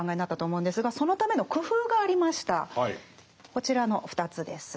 こちらの２つです。